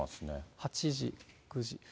８時、９時。